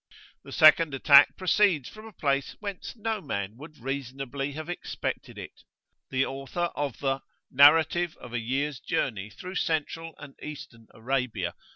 The second attack proceeds from a place whence no man would reasonably have expected it. The author of the "Narrative of a Year's Journey through Central and Eastern Arabia" (vol.